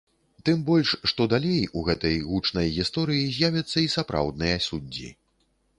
Тым больш, што далей у гэтай гучнай гісторыі з'явяцца і сапраўдныя суддзі.